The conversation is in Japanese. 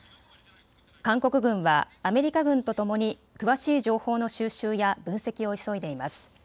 韓国軍はアメリカ軍とともに詳しい情報の収集や分析を急いでいます。